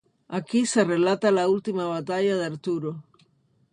Aquí se relata la última batalla de Arturo.